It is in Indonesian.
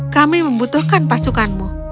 kami membutuhkan pasukanmu